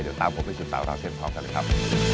เดี๋ยวตามผมไปสืบสาวราวเส้นพร้อมกันเลยครับ